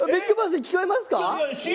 ＢＩＧＢＯＳＳ聞こえますか。